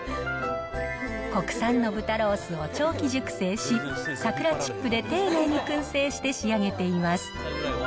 国産の豚ロースを長期熟成し、桜チップで丁寧にくん製して仕上げています。